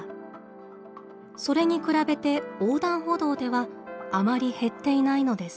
それに比べて横断歩道ではあまり減っていないのです。